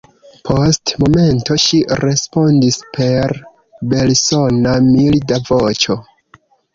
Post momento ŝi respondis per belsona, milda voĉo: